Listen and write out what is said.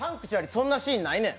そんなシーンないねん。